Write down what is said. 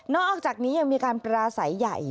อกจากนี้ยังมีการปราศัยใหญ่